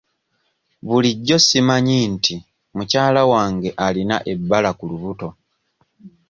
Bulijjo simanyi nti mukyala wange alina ebbala ku lubuto.